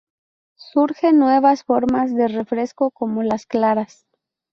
Surgen nuevas formas de refresco como las claras.